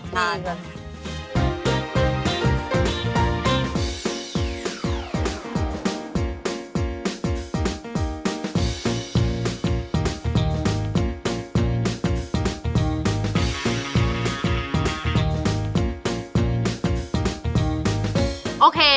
ถ้วยไว้เป็น๒ท่าน